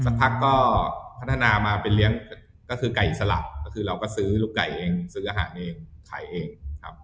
สักพักก็พัฒนามาเป็นเลี้ยงก็คือไก่อิสระก็คือเราก็ซื้อลูกไก่เองซื้ออาหารเองขายเองครับ